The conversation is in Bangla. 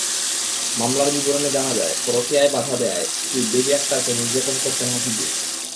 মামলার বিবরণে জানা যায়, পরকীয়ায় বাধা দেওয়ায় স্ত্রী বেবী আক্তারকে নির্যাতন করতেন হাফিজুর।